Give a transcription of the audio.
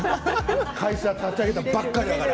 会社を立ち上げたばかりだから。